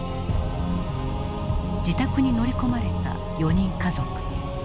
自宅に乗り込まれた４人家族。